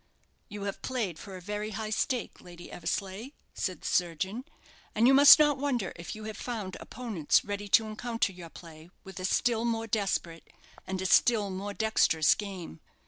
"You have played for a very high stake, Lady Eversleigh," said the surgeon; "and you must not wonder if you have found opponents ready to encounter your play with a still more desperate, and a still more dexterous game.